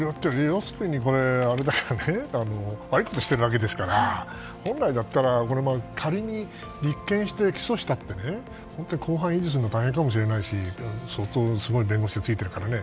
要するに悪いことしてるわけですから本来だったら仮に立件して起訴したって公判を維持するのが大変かもしれないし相当すごい弁護士がついてるからね。